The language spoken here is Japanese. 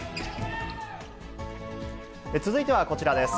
続いてはこちらです。